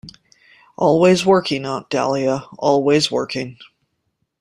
Always working, Aunt Dahlia, always working.